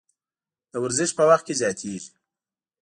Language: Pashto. د ورزش په وخت کې زیاتیږي.